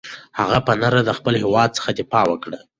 هغه په نره له خپل هېواد څخه دفاع وکړه.